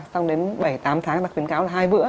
xong đến bảy tám tháng mà khuyến cáo là hai bữa